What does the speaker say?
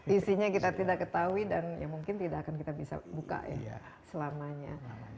isinya kita tidak ketahui dan ya mungkin tidak akan kita bisa buka ya selamanya